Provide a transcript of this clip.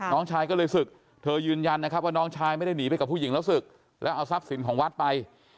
น้องชายก็เลยศึกเธอยืนยันนะครับว่าน้องชายไม่ได้หนีไปกับผู้หญิงแล้วศึกแล้วเอาทรัพย์สินของวัดไป